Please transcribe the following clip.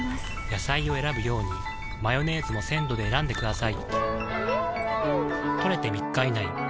野菜を選ぶようにマヨネーズも鮮度で選んでくださいん！